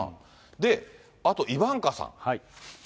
で、あとイバンカさん。